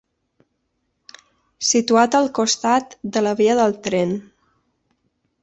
Situat al costat de la via del tren.